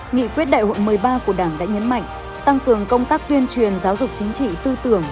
nghị quyết đại hội một mươi ba của đảng đã nhấn mạnh tăng cường công tác tuyên truyền giáo dục chính trị tư tưởng